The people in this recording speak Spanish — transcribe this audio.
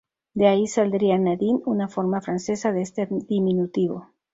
De ahí saldría "Nadine", una forma francesa de este diminutivo.